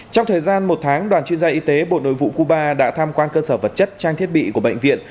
trong thời gian một tháng đoàn chuyên gia y tế bộ nội vụ cuba đã tham quan cơ sở vật chất trang thiết bị của bệnh viện